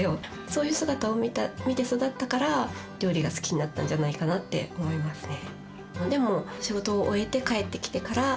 そういう姿を見て育ったから料理が好きになったんじゃないかなって思いますね。